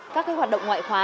các cái hoạt động ngoại khóa